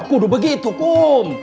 kudu begitu kum